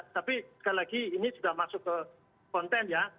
tapi sekali lagi ini sudah masuk ke konten ya